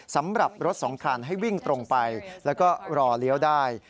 สำหรับรถสองคันให้วิ่งตรงไปแล้วก็รอเลี้ยวได้